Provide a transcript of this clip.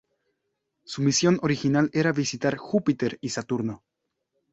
Su misión original era visitar Júpiter y Saturno.